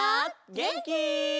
げんき？